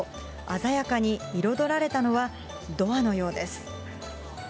鮮やかに彩られたのは、ドアのようです。